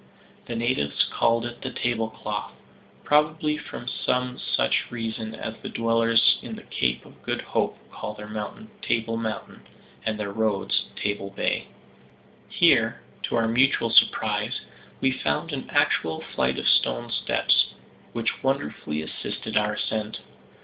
The natives called it the tablecloth, probably from some such reason as the dwellers in the Cape of Good Hope call their mountain Table Mountain, and their roads Table Bay. Here, to our mutual surprise, we found an actual flight of stone steps, which wonderfully assisted our ascent.